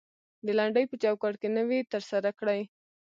د لنډۍ په چوکات کې نوى تر سره کړى.